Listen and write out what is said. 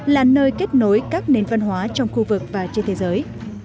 là nơi kết nối các nền văn hóa trong khu vực và trên thế giới